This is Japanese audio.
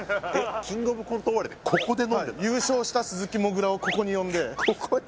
はいはい優勝した鈴木もぐらをここに呼んでここで？